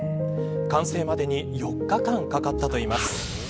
完成までに４日間かかったといいます。